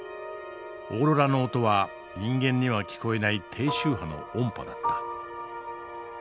オーロラの音は人間には聞こえない低周波の音波だった。